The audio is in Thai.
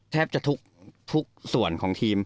แทบจะทุกส่วนของทีม